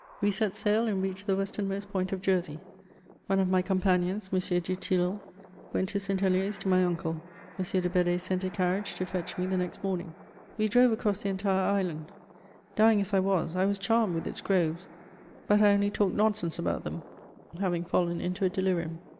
We set sail and reached the westernmost point of Jersey. One of my companions, M. du Tilleul, went to St. Helier's to my uncle. M. de Bedée sent a carriage to fetch me the next morning. We drove across the entire island: dying as I was, I was charmed with its groves; but I only talked nonsense about them, having fallen into a delirium.